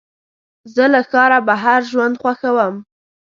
زه له ښاره بهر ژوند خوښوم.